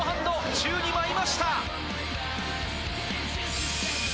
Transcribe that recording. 宙に舞いました！